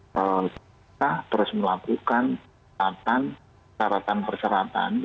kita terus melakukan perhatian syaratan persyaratan